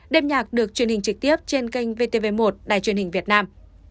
đêm nhạc được truyền hình trực tiếp trên kênh vtv một đài truyền hình việt nam